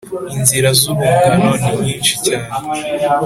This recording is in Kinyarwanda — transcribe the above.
Inzira z’urungano ni nyinshi cyane